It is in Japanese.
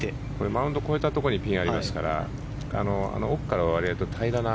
マウンド越えたところにピンがありますからあの奥からは平らな。